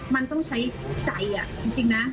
มันต้องใช้ใจจริงนะ